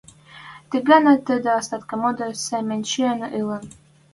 Ти гӓнӓ тӹдӹ остатка мода семӹнь чиэн ылын